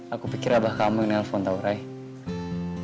aku pikir abah kamu yang nelfon tau raya